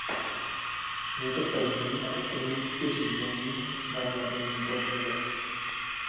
Je to první elektronicky řízený variabilní podvozek.